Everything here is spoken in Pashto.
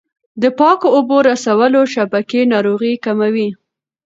د پاکو اوبو رسولو شبکې ناروغۍ کموي.